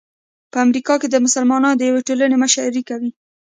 په امریکا کې د مسلمانانو د یوې ټولنې مشري کوي.